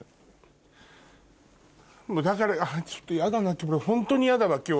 だからちょっとやだなホントにやだわ今日。